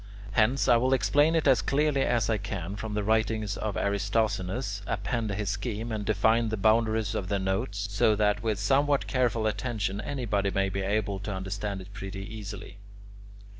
Hence, I will explain it as clearly as I can from the writings of Aristoxenus, append his scheme, and define the boundaries of the notes, so that with somewhat careful attention anybody may be able to understand it pretty easily.